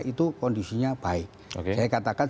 itu kondisinya baik saya katakan